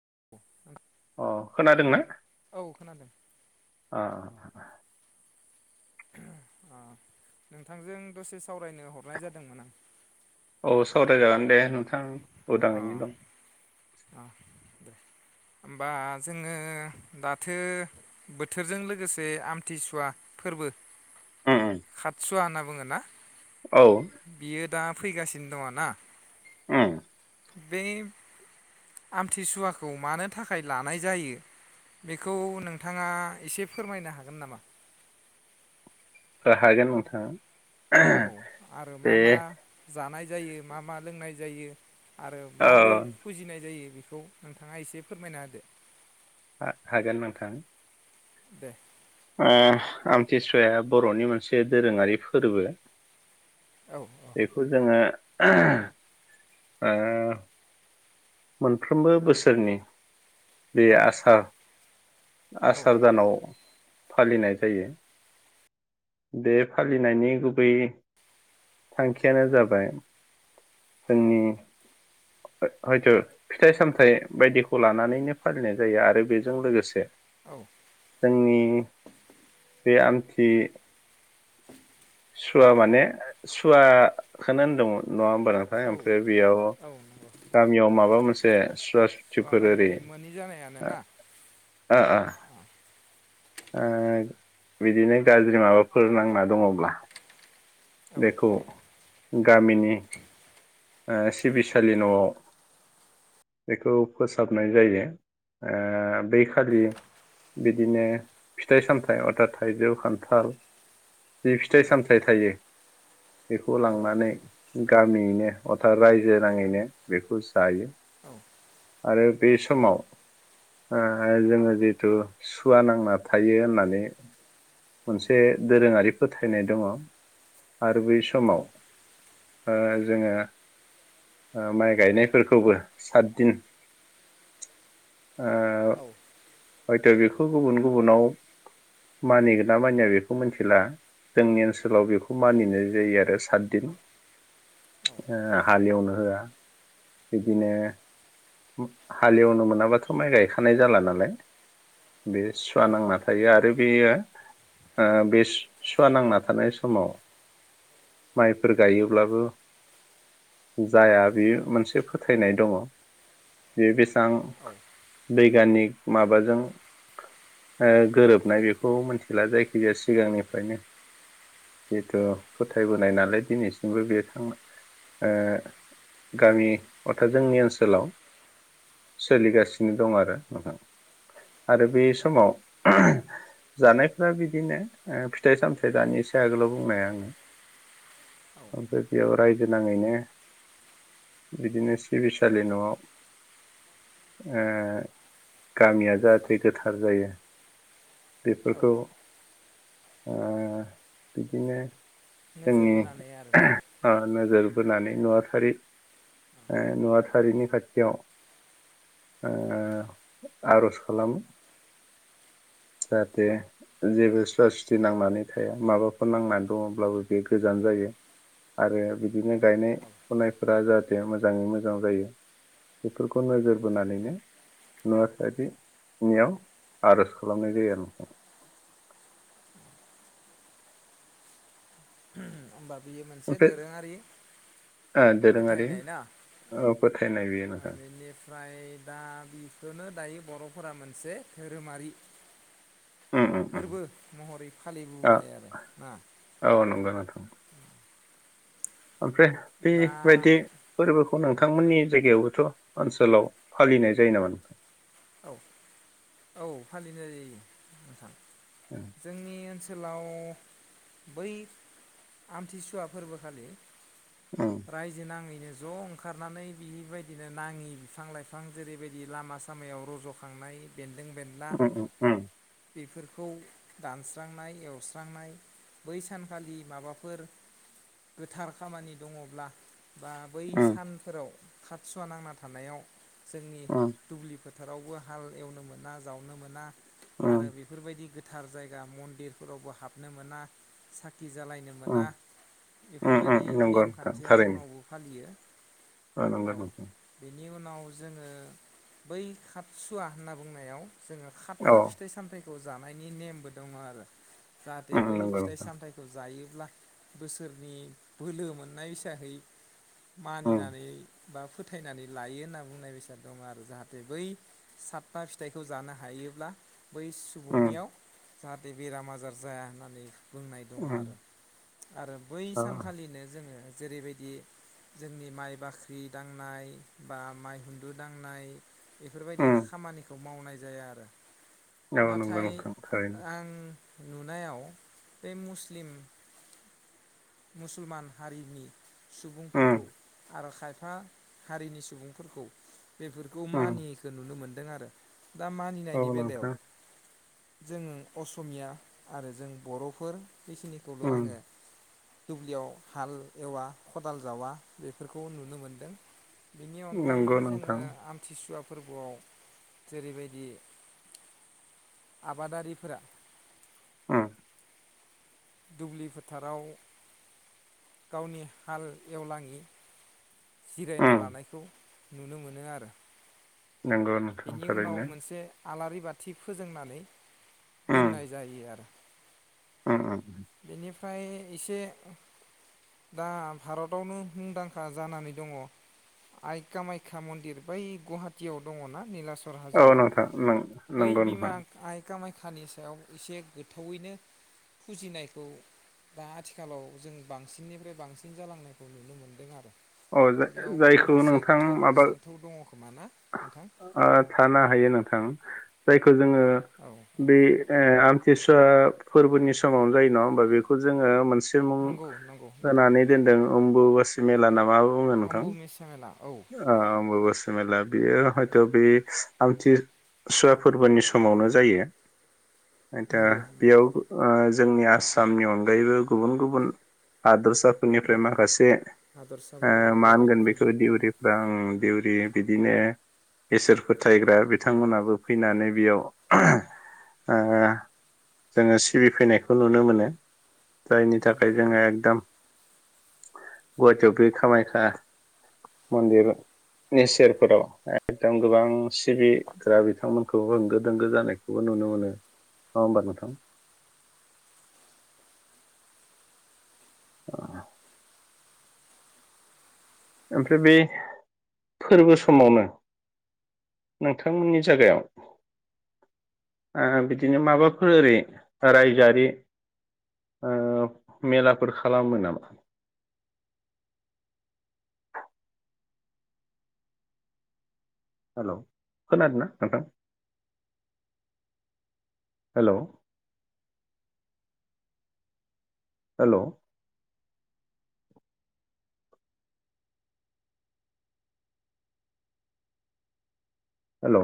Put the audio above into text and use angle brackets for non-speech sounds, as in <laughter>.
<inaudible> अ खोनादोंना? औ खोनादों। अ अ नोंथांजों दसे सावरायनो हरनाय जादोंमोन आं। औ सावराय जागोन दे। नोंथां उदाङैनो आं दं। अ अ होमबा जोंङो दाथो बोथोरजों लोगोसे आमथिसुवा फोरबो उम उम खाथसुवा होनना बुङो ना औ बियो दा फैगासिनो दङ ना? उम बे आमथिसुवाखौ मानो थाखाय लानाय जायो बेखौ नोंथांङा एसे फोरमायनो हागोन नामा? हागोन नोंथां। औ आरो मा मा जानाय जायो मा मा लोंनाय जायो आरो औ माबोरै फुजिनाय जायो बेखौ नोंथाङा एसे फोरमायना होदो। हा-हागोन नोंथां। दे आमथिसुवाया बर'नि मोनसे दोरोंङारि फोरबो। औ बेखौ जोंङो ओ मोनफ्रोमबो बोसोरनि बे आसार औ आसार दानाव फालिनाय जायो बे फालिनायनि गुबै थांखियानो जाबाय जोंनि हयथ फिथाइ सामथाइ बायदिखौ लानानैनो फालिनाय जायो आरो बेजों लोगोसे औ जोंनि बे आमथि सुवा माने सुवाखोनो होनदों नङा औ <unintelligible> ओमफ्राय बेयाव औ नंगौ गामियाव माबा मोनसे सुवास सुवा मानि बे मोनि जानायानोना? ओ ओ बिदिनो गाज्रि माबाफोर नांना दङब्ला औ बेखौ गामिनि नि ओ सिबिसालि न'आव बेखौ फोसाबनाय जायो ओ बै खालि बिदिनो फिथाइ सामथाइ अर्थात थाइजौ खान्थाल जि फिथाइ औ सामथाइ थायो। बेखौ औ लांनानै गामियैनो अर्थात रायजो नाङैनो बेखौ जायो आरो औ बे समाव ओ जोङो जिथु सुवा नांना थायो होननानै मोनसे दोरोङारि फोथायनाय दङ। आरो बे औ समाव ओ जोङो ओ माइ गायनायफोरखौबो सातदिन <inaudible> औ। हयथ' बेखौ गुबुन गुबुनाव मानिगोन ना मानिया बेखौ मिथिला जोंनि ओनसोलाव बेखौ मानिनाय जायो आरो सातदिन ओ हालेवनो होआ बिदिनो हालेवनो मोनाबाथ' माइ गायखानाय जाला नालाय। बे सुवा नांना थायो आरो। बेयो ओ बे सु-सुवा नांना थानाय समाव माइफोर गायोब्लाबो जाया बे मोनसे फोथायनाय दङ। बे बेसे बां औ बैग्यानिक माबा जों ओ गोरोबनाय बेखौ मिथिला जायखिजाया सिगांनिफ्रायनो जिथु फोथायबोनाय नालाय दिनैसिमबो बे थांना ओ गामि अर्थात जोंनि ओनसोलाव सोलिगासिनो दं आरो नोंथां। आरो बे समाव जानायफ्रा बिदिनो ओ फिथाइ सामथाइ दानिसो आगोलाव बुंनाया आङो। औ आमफ्राय बेयाव राय जों नाङैनो बिदिनो सिबिसालि न'आव ओ गामिया जाहाथे गोथार जायो बेफोरखौ ओ बिदिनो नोजोर जोंनि बोनानै आरोना ओ नोजोर बोनानै नुवाथारि ओ नुवाथारिनि खाथियाव ओ आर'ज खालामो। जाहाथे जेबो सुवा सुथि नांनानै थाया माबाफोर नांनानै दङब्लाबो बे गोजान जायो आरो बिदिनो गायनाय औ फुनायफोरा जाहाथे मोजाङै मोजां जायो बेफोरखौ नोजोर बोनानैनो नुवारिनियाव आर'ज। खालामनाय जायो आरो नोंथां। होमबा बियो मोनसे ओमफ्राय दोरोङारि ओ दोरोङारि फोथायनाय ना ओ फोथायनाय बेयो नोंथां बेनिफ्राय दा बेखौनो दायो बर'फोरा मोनसे धोरोमारि उम उम उम फोरबो महरै आ फालिबोबाय आरो ना? औ ओफ्राय दा बेबायदि फोरबोखौनो नोंथांमोननि जायगायावबोथ ओनसोलाव फालिनाय जायो नामा नोंथां? औ औ फालिनोायो नोंथां। जोंनि ओनसोल सोलाव बै आमथिसुवा फोरबोखालि उम रायजो नाङैनो ज ओंखारनानै बेबायदिनो नाङि बिफां लाइफां जेरैबायदि लामा सामायाव रजखांनाय बेन उम उम उम बेफोरखौ दानस्रांनाय एवस्रांनाय बै सानखालि माबाफोर गोथार खामानि दङब्ला बा बै उम सानफोराव खाटसुवा नांना थानायाव जोंनि उम दुब्लिफोर फोथोरावबो हाल एवनो मोना जावनो मोना आरो उम बेफोरबायदि गो गोथार जायगा मन्दिरफोरावबो हाबनो मोना सा साखि जालायनो मोना उम उम बेफोरबायदि उम नेमखान्थिया जोंनावबो फालियो ओ नोंगो नोंथां। बिनि उनाव जोङो बै खाटसुवा होनना बुंनायाव जोङो खातथा औ फिथाइ सामथायाइ खौ जानायनि नेमबो दङ आरो जाहाथे उम बै नंगौ फिथाइ नोंथां सामथायाइखौ जायो ब्ला बोसोरनि बोलो मोननाय हिसाहै उम मानिनानै बा फोथायनानै लायो होनना बुंनाय बेसाद दं आरो जाहाथे बै सातथा फिथाइखौ जानो हायोब्ला बै उम सुबुंनियाव जाहाथे बेराम आजार जाया होननानै बुंनाय दङ उम आरो आरो बै औ उम सानखालिनो जोङो जेरैबायदि जोंनि माइ बाख्रि दांनाय बा माइ हुन्दु दांनाय बेफोरबायदि खामानिखौ मावनाय जाया आरो औ नंगौ नाथाय नंथां थारैनो आं नुनायाव बे मुस्लिम मुसलमान हारिनि उम सुबुंफोरखौ आरो खायफा हारिनि सुबुंफोरखौ बेफोरखौ उम मानियैखौ नुनो मोन दों आरो। दा औ मानिनायनि बेलायाव नोंथां जोङो असमिया आरो जों बर'फोर बिसिनिखौल' उम आङो दुब्लियाव हाल एवा खदाल जावा बेफोरखौ नुनो मोनदों। बिनि नंगौ अनगायैबो जोङो नोंथां आमथिसुवा फोरबोआव जेरैबायदि आबादारिफोरा। उम दुब्लि फोथाराव गावनि हाल एवलाङि जिरायना उम लानायखौ नुनो मोनो आरो। नंगौ नोंथां बेनि उनाव थारैनो मोनसे आलारि बाथ थि फोजोंनानै उम दोननाय जायो आरो। उम उम बेनिफ्राय एसे दा भारतावनो मुंदांखा जानानै दङ आय कामायखा मन्दिर बै गुवाहाटटियाव दङना निलास औ नोंथां नों-नंगौ नोंथां। खानि सायाव एसे गोथौवैनो फुजिनाय खौ दा आथिखालाव जों बांसिननिफ्राय बांसिन जालांनायखौ नुनो मोनदों आरो। अ बेयाव माबा जा-जायखौ मोनसे नोंथां गोथौ माबा सान्थौ दङ खोमा ना नोंथां ओ थानो हायो नोंथां। जाय खो जोङो औ औ बे ओ आन थिसुवा फोरबोनि समावनो जायो नङा होमबा बेखौ जोङो मोन से मुं नंगौ नंगौ नोंथां होनानै दोन्दों ओम ब'बबासि मेला नामा <unintelligible> बुंङो नोंथां आंबो मिस मेला औ ओ अमबबासि मेला बियो हयथ' बे आमथिसुवा फोरबोनि समावनो जायो। दा नंगौ नंगौ बेयाव ओ जोंनि आसामनि अनगायैबो गुबुन गुबुन हादोरसा साफोरनिफ्राय माखासे ओ हादरसाफोरनिफ्राय मा दावबायनो होनगोन बेखौ फैदों दिउरिफ्रा ओ दिउरि बिदिनो इसोर फोथायग्रा बिथांमोनाबो फैनानै बेयाव जोङो सिबिफैनायखौ नुनो मोनो। जायनि थाखाय नंगौ जोङो नंगौ एकदम। गुवाटियाव बेग। कामाख्या मन्दिर नेचेरफोराव एदम गोबां सिबिग्रा बिथांमोनखौ होंगो दोंगो जानायखौबो नुनो मोनो नङा होमबा नोंथां। <inaudible> ओमफ्राय बे फोरबो समावनो नोंथांमोननि जागायाव बिदिनो माबाफोर ओरै रायजोआरि मेलाफोर खालामो नामा? हेल' खोनादों ना नोंथां? हेलौ। Hello hello.